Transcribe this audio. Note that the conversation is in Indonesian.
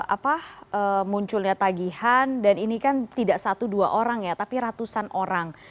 apa munculnya tagihan dan ini kan tidak satu dua orang ya tapi ratusan orang